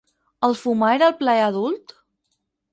El fumar era el plaer adult?